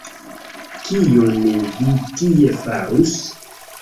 Kion vi tie farus?